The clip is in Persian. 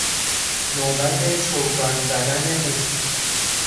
نوبت چوگان زدن او